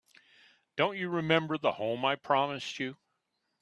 Don't you remember the home I promised you?